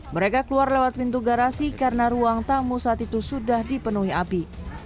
mereka keluar lewat pintu garasi karena ruang tamu saat itu sudah dipenuhi api